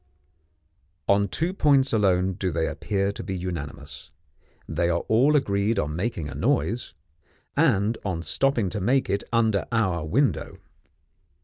On two points alone do they appear to be unanimous they are all agreed on making a noise, and on stopping to make it under our window.